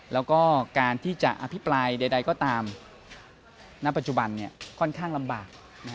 แล้วก็การที่จะอภิปรายใดก็ตามณปัจจุบันค่อนข้างลำบาก